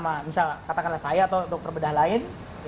diperiksa sama misalnya katakanlah saya atau dokter bedah lain